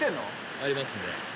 ありますね。